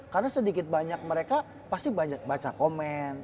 karena sedikit banyak mereka pasti baca komen